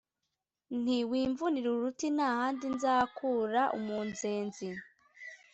Nti: Wimvunira uruti nta handi nzakura umunzenzi;